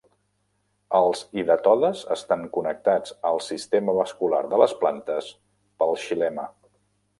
Els hidatodes estan connectats al sistema vascular de les plantes pel xilema.